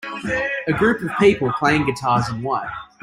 A group of people playing guitars in white.